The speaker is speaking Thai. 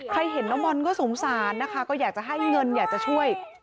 เห็นน้องบอลก็สงสารนะคะก็อยากจะให้เงินอยากจะช่วย